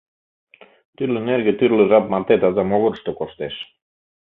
Тӱрлӧ нерге тӱрлӧ жап марте таза могырышто коштеш.